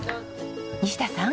西田さん。